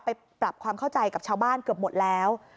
ไปปรับความเข้าใจกับชาวบ้านเกือบหมดแล้ว